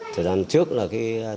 thời gian trước là cái